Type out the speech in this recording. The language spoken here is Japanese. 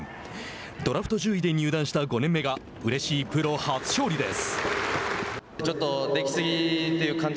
ドラフト１０位で入団した５年目がうれしいプロ初勝利です。